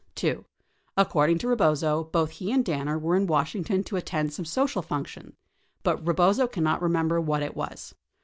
2. According to Rebozo, both he and Danner were in Washing ton to attend some social function but Rebozo cannot remember what it was.